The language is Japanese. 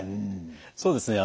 そうですね